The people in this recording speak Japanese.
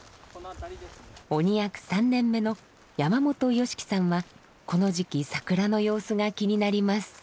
鬼役３年目の山本義樹さんはこの時期桜の様子が気になります。